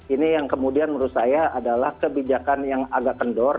ini yang kemudian menurut saya adalah kebijakan yang agak kendor